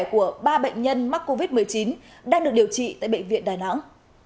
của ba bệnh nhân mắc covid một mươi chín đang được điều trị tại bệnh viện đà nẵng